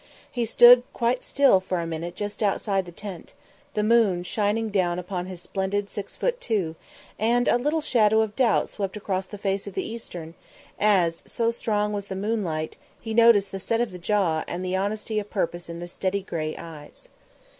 He stood quite still for a minute just outside the tent, the moon shining down upon his splendid six foot two, and a little shadow of doubt swept across the face of the Eastern as, so strong was the moonlight, he noticed the set of the jaw and the honesty of purpose in the steady grey eyes.